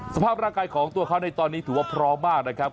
สภาพร่างกายของตัวเขาในตอนนี้ถือว่าพร้อมมากนะครับ